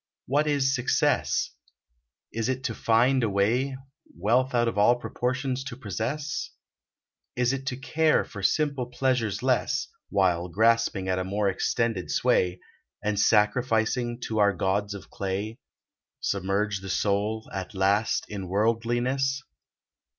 What is success ? Is it to find a way Wealth out of all proportion to possess ? Is it to care for simple pleasures less (While grasping at a more extended sway), And sacrificing to our gods of clay, Submerge the soul, at last, in worldliness